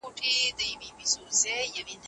د دغې ښځي مزار په دلارام کي دی او خلک یې پیژني.